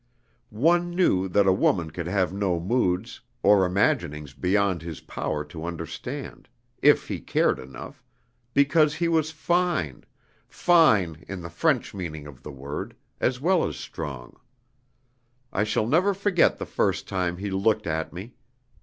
One knew that a woman could have no moods or imaginings beyond his power to understand, if he cared enough, because he was fine 'fine' in the French meaning of the word as well as strong. I shall never forget the first time he looked at me.